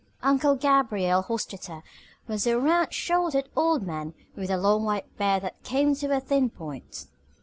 Uncle Gabriel Hostetter was a round shouldered old man with a long white beard that came to a thin point.